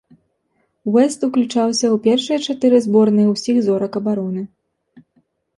Уэст уключаўся ў першыя чатыры зборныя ўсіх зорак абароны.